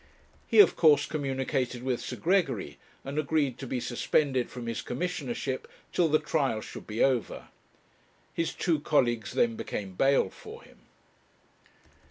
He, of course, communicated with Sir Gregory, and agreed to be suspended from his commissionership till the trial should be over. His two colleagues then became bail for him.